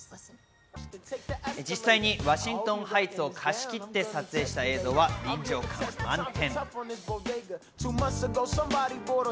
実際にワシントン・ハイツを貸し切って撮影した映像は臨場感満点。